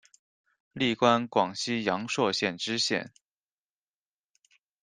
历官广西阳朔县知县。